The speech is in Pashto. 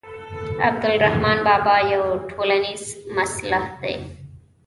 عبدالرحمان بابا یو ټولنیز مصلح دی.